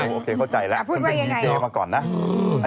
โอเคเข้าใจแล้วคุณเป็นดีเจมาก่อนนะ